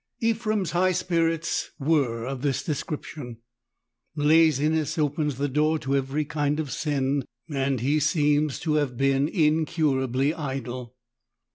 Ephrem^s high spirits were of this description. Laziness opens the door to every kind of sin, and he seems to have been incurably idle.